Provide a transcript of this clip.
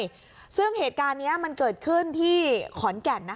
ใช่ซึ่งเหตุการณ์นี้มันเกิดขึ้นที่ขอนแก่นนะคะ